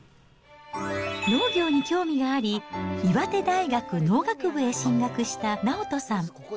農業に興味があり、岩手大学農学部へ進学した直人さん。